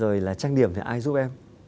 rồi là trang điểm thì ai giúp em